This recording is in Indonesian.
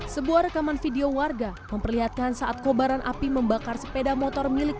sebuah rekaman video warga memperlihatkan saat kobaran api membakar sepeda motor milik